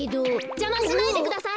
じゃましないでください！